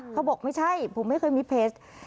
เขาบอกไม่ใช่ผมไม่เคยมีเพจ